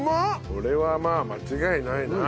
これはまあ間違いないな。